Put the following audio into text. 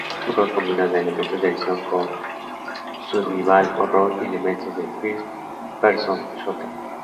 Ambos juegos combinan elementos de acción con survival horror y elementos de First-person shooter.